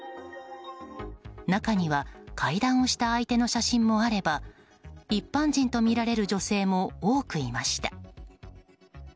中には、会談をした相手の写真もあれば一般人とみられる女性も多くいました。